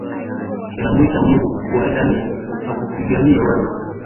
Ninamwita Mungu wa Danieli akupiganie wewe.